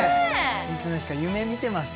いつの日か夢見てます